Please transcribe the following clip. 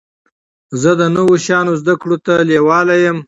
زه د نوو شیانو زده کړي ته لېواله يم.